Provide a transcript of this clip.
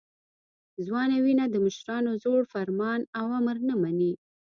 ځوانه وینه د مشرانو زوړ فرمان او امر نه مني.